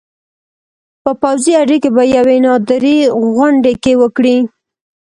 په پوځي اډې کې په یوې نادرې غونډې کې وکړې